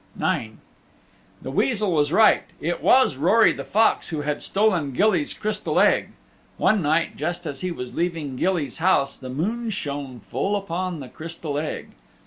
IX The Weasel was right; it was Rory the Fox who had stolen Gilly's Crystal Egg. One night, just as he was leaving Gilly's house, the moon shone full upon the Crystal Egg.